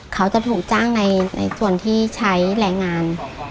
เขาจะถูกจ้างในส่วนที่ใช้แรงงาน